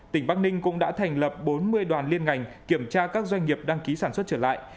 tỉnh bắc ninh cũng đã thành lập bốn mươi đoàn liên ngành kiểm tra các doanh nghiệp đăng ký sản xuất trở lại